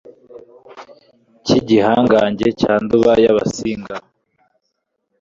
cy'igihangange cya Nduga y'Abasinga